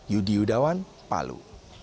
yudi yudawan palu